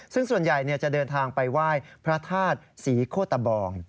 ซึ่งส่วนใหญ่จะเดินทางไปไหว้พระธาตุศรีโคตะบอง